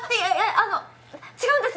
あの違うんです